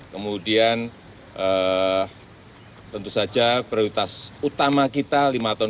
kemudian tentu saja prioritas utama kita lima tahun